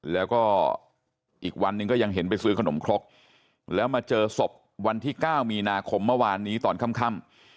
แล้วก็อีกวันหนึ่งก็ยังเห็นไปซื้อขนมครกแล้วมาเจอศพวันที่๙มีนาคมเมื่อวานนี้ตอนค่ำ